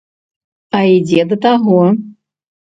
А ідзе да таго.